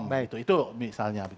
nah itu itu misalnya